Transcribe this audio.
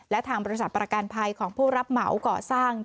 และทางบริษัทประกันภัยของผู้รับเหมาก่อสร้าง